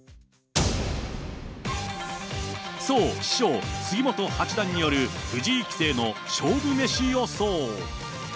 そう、師匠、杉本八段による藤井棋聖の勝負メシ予想。